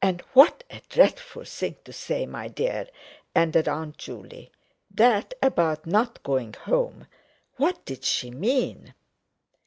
"And what a dreadful thing to say, my dear!" ended Aunt Juley; "that about not going home. What did she mean?"